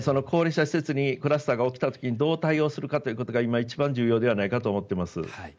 高齢者施設にクラスターが起きた時にどう対応するかということが今、一番重要じゃないかと思っています。